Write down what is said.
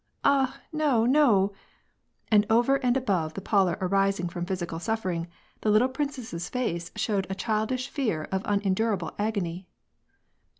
" Ah, no, no !" And over and above the pallor arising from physical suffer ing, the little princess's face showed a childish fear of unen durable agony.